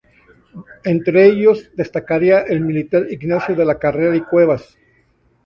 Entre ellos destacaría el militar Ignacio de la Carrera y Cuevas.